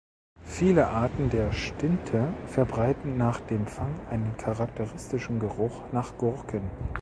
Viele Arten der Stinte verbreiten nach dem Fang einen charakteristischen Geruch nach Gurken.